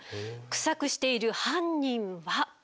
臭くしている犯人は。